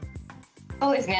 そうですね。